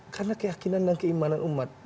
karena keyakinan dan keimanan umat